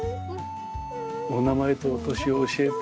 お名前とお年を教えて？